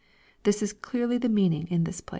This is clearly the meaning in this place.